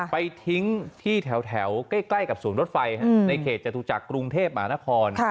ไปทิ้งที่แถวใกล้กับศูนย์รถไฟในเขตจตุจักรกรุงเทพหมานคร